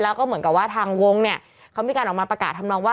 แล้วก็เหมือนกับว่าทางวงเนี่ยเขามีการออกมาประกาศทำนองว่า